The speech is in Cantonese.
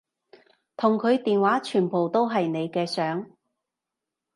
同佢電話全部都係你嘅相